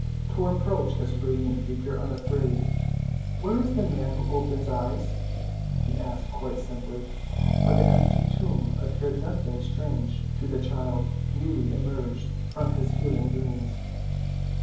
Tor approached this radiant figure unafraid. "Where is the man who opens eyes?" he asked quite simply, for the empty tomb appeared nothing strange to the child newly emerged from his healing dreams.